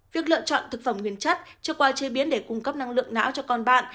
việc lựa chọn thực phẩm nguyên chất chưa qua chế biến để cung cấp năng lượng não cho con bạn